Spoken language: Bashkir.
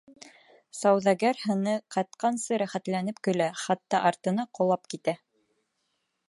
Сауҙагәр һыны ҡатҡансы рәхәтләнеп көлә, хатта артына ҡолап китә.